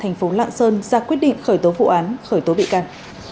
cơ quan cảnh sát điều tra công an thành phố lạng sơn ra quyết định khởi tố vụ án khởi tố bị can